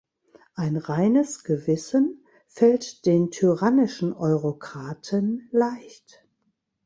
Ein reines Gewissen fällt den tyrannischen Eurokraten leicht.